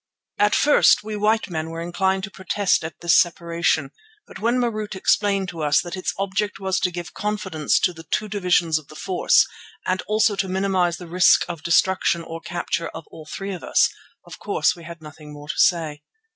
At first we white men were inclined to protest at this separation, but when Marût explained to us that its object was to give confidence to the two divisions of the force and also to minimize the risk of destruction or capture of all three of us, of course we had nothing more to say.